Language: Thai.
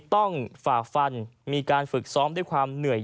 ฝ่าฟันมีการฝึกซ้อมด้วยความเหนื่อย